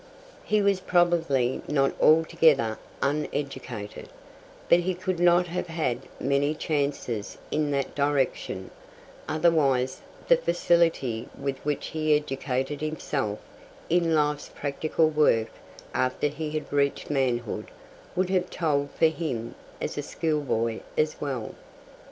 He was probably not altogether uneducated; but he could not have had many chances in that direction, otherwise the facility with which he educated himself in life's practical work after he had reached manhood would have told for him as a schoolboy as well.